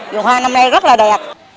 đường hoa năm nay rất là đẹp